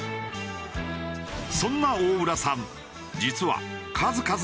そんな大浦さん